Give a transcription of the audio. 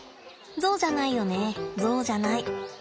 ゾウじゃないよねゾウじゃない。